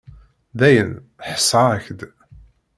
Dayen, ḥesseɣ-ak-d.